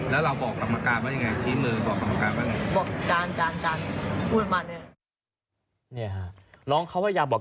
แล้วเห็นอะไรของเทพมงค์วงค์ก่อนเห็นชี้บอก